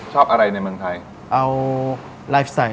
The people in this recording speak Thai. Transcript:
ชอบอะไรในเมืองไทย